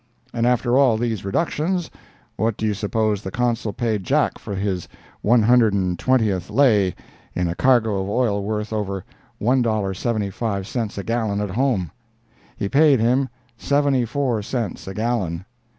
And after all these reductions, what do you suppose the Consul paid Jack for his one hundred and twentieth "lay" in a cargo of oil worth over $1.75 a gallon at home? He paid him seventy four cents a gallon.